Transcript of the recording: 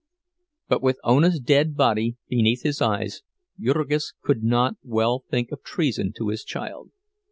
But with Ona's dead body beneath his eyes, Jurgis could not well think of treason to his child.